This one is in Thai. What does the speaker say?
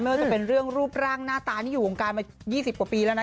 ว่าจะเป็นเรื่องรูปร่างหน้าตาที่อยู่วงการมา๒๐กว่าปีแล้วนะ